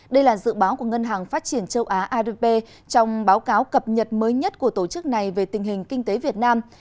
đây là dự báo của ngân hàng phát triển châu á adb trong báo cáo cập nhật mới nhất của tổ chức này về tình hình kinh tế việt nam